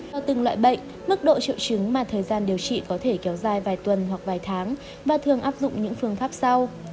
theo từng loại bệnh mức độ triệu chứng mà thời gian điều trị có thể kéo dài vài tuần hoặc vài tháng và thường áp dụng những phương pháp sau